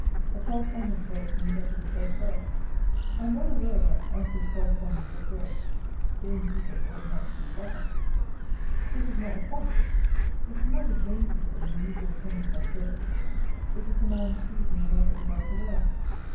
A correspondent tells me that it was Judge Burrough. I am well aware that, as this correspondent observes, "gamekeepers ought not to be shot at." This is not the point. It is not a gamekeeper in the usual sense of that word; it is a man seizing another without a warrant.